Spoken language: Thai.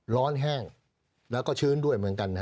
แห้งแล้วก็ชื้นด้วยเหมือนกัน